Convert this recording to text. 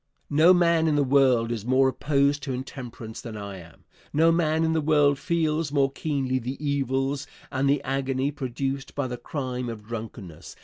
No man in the world is more opposed to intemperance than I am. No man in the world feels more keenly the evils and the agony produced by the crime of drunkenness.